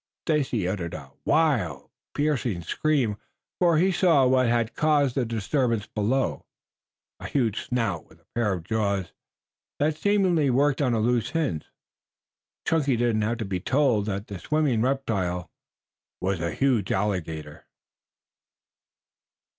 Stacy uttered a wild, piercing scream, for he saw what had caused the disturbance below. A huge snout, with a pair of jaws that seemingly worked on a loose hinge Chunky didn't have to be told that the swimming reptile was a huge alligator!